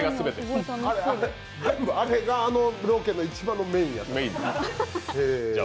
あれがあのロケの一番のメインやった。